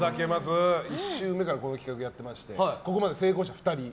１週目からこの企画やっておりましてここまで成功者２人。